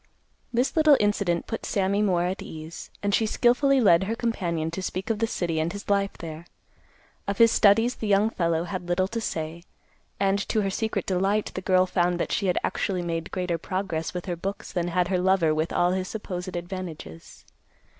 This little incident put Sammy more at ease, and she skilfully led her companion to speak of the city and his life there. Of his studies the young fellow had little to say, and, to her secret delight, the girl found that she had actually made greater progress with her books than had her lover with all his supposed advantages.